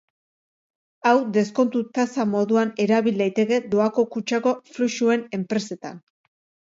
Hau deskontu-tasa moduan erabil daiteke doako kutxako fluxuen enpresetan.